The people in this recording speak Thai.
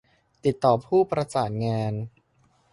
ติดต่อผู้ประสานงาน